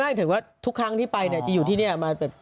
ไม่ถึงว่าทุกครั้งที่ไปจะอยู่ที่นี่มาเยอะ